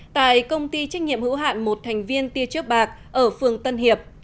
tại công ty trách nhiệm hữu hạn một thành viên tia trước bạc ở phường tân hiệp